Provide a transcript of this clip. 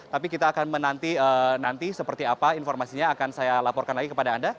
tapi kita akan menanti nanti seperti apa informasinya akan saya laporkan lagi kepada anda